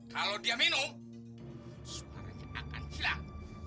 kalau dia minum suaranya akan hilang